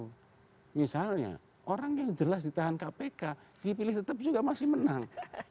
nah misalnya orang yang jelas ditahan kpk dipilih tetap juga masih menang